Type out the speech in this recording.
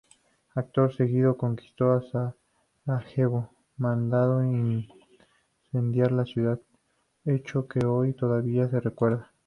Acto seguido conquistó Sarajevo, mandando incendiar la ciudad, hecho que hoy todavía se recuerda.